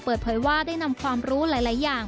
เปิดเผยว่าได้นำความรู้หลายอย่าง